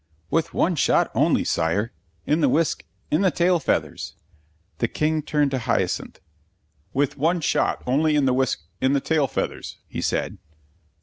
"With one shot only, Sire. In the whisk in the tail feathers." The King turned to Hyacinth. "With one shot only in the whisk in the tail feathers," he said.